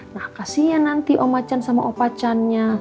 nah kasian nanti om macan sama opacannya